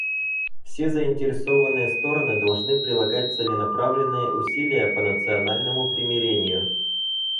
Все заинтересованные стороны должны прилагать целенаправленные усилия по национальному примирению.